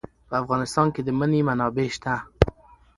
په افغانستان کې د منی منابع شته.